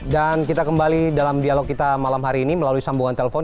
dan kita kembali dalam dialog kita malam hari ini melalui sambungan telepon